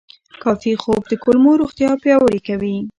کافي خوب د کولمو روغتیا پیاوړې کوي.